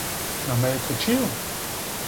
Nameyê to çi yo?